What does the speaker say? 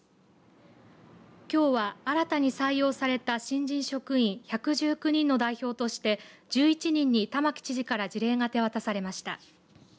きょうは新たに採用された新人職員１１９人の代表として１１人に玉城知事から辞令が手渡されました。